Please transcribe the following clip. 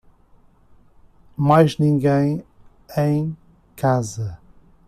Mais ninguém em casa